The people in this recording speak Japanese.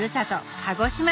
鹿児島市